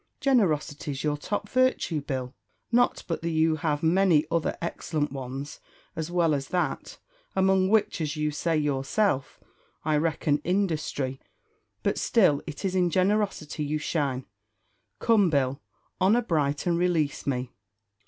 Generosity's your top virtue, Bill; not but that you have many other excellent ones, as well as that, among which, as you say yourself, I reckon industry; but still it is in generosity you shine. Come, Bill, honour bright, and release me."